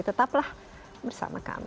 tetaplah bersama kami